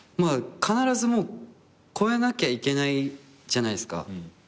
必ず超えなきゃいけないじゃないですか。